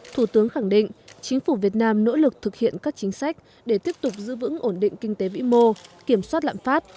thủ tướng khẳng định chính phủ việt nam nỗ lực thực hiện các chính sách để tiếp tục giữ vững ổn định kinh tế vĩ mô kiểm soát lạm phát